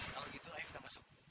kalau gitu ayo kita masuk